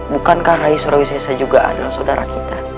bukankah rai surawisesa juga adalah saudara kita